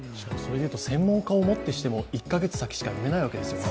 専門家をもってしても１か月先しか見えないわけですよね